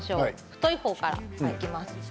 太いほうからいきます。